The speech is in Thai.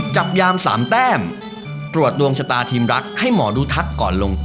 จับยามสามแต้มตรวจดวงชะตาทีมรักให้หมอดูทักก่อนลงแต้ม